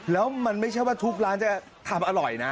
แล้วมันไม่ใช่ว่าทุกร้านจะทำอร่อยนะ